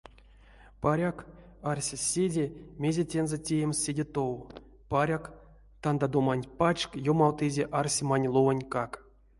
Паряк, арсесь седе, мезе тензэ теемс седе тов, паряк, тандадоманть пачк ёмавтызе арсемань лувонтькак.